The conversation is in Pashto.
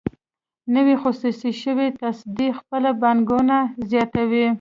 نوې خصوصي شوې تصدۍ خپله پانګونه زیاتوي.